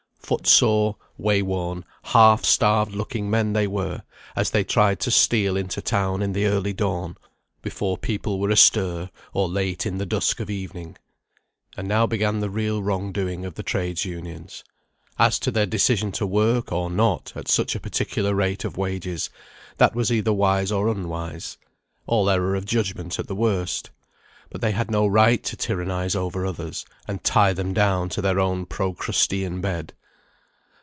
Foot sore, way worn, half starved looking men they were, as they tried to steal into town in the early dawn, before people were astir, or late in the dusk of evening. And now began the real wrong doing of the Trades' Unions. As to their decision to work, or not, at such a particular rate of wages, that was either wise or unwise; all error of judgment at the worst. But they had no right to tyrannise over others, and tie them down to their own procrustean bed.